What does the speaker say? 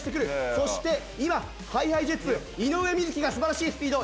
そして今ＨｉＨｉＪｅｔｓ井上瑞稀が素晴らしいスピード。